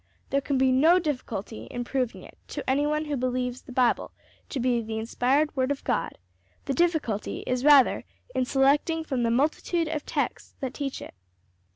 There can be no difficulty in proving it to any one who believes the Bible to be the inspired word of God; the difficulty is rather in selecting from the multitude of texts that teach it."